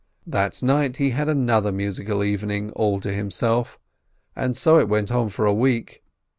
That night he had another musical evening all to himself, and so it went on for a week.